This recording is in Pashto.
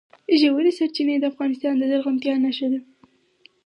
ژورې سرچینې د افغانستان د زرغونتیا نښه ده.